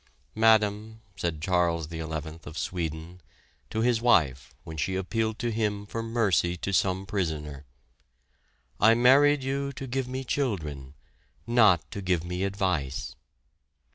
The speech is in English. "Madam," said Charles XI of Sweden to his wife when she appealed to him for mercy to some prisoner, "I married you to give me children, not to give me advice."